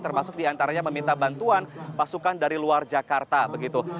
termasuk diantaranya meminta bantuan pasukan dari luar jakarta begitu